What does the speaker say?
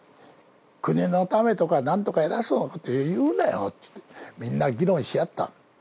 国のためとか何とか偉そうなこと言うなよって、みんな議論し合った。